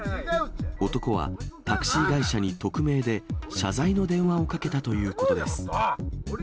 男は、タクシー会社に匿名で謝罪の電話をかけたということです。